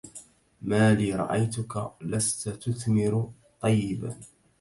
مالي رأيتك لست تثمر طيبا